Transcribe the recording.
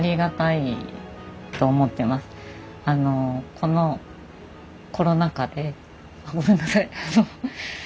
このコロナ禍でごめんなさい。